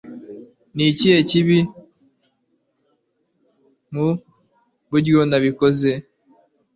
Ni ikihe kibi mu buryo nabikoze?